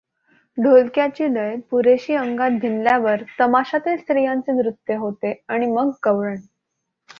ढोलक्याची लय पुरेशी अंगात भिनल्यावर तमाशातील स्त्रियांचे नृत्य होते आणि मग गौळण.